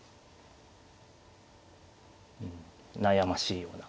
悩ましいような。